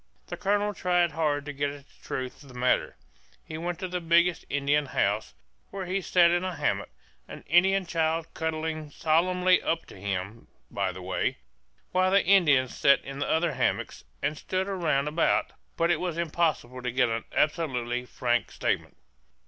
The colonel tried hard to get at the truth of the matter; he went to the biggest Indian house, where he sat in a hammock an Indian child cuddling solemnly up to him, by the way while the Indians sat in other hammocks, and stood round about; but it was impossible to get an absolutely frank statement.